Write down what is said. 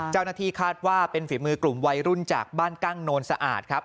คาดว่าเป็นฝีมือกลุ่มวัยรุ่นจากบ้านกั้งโนนสะอาดครับ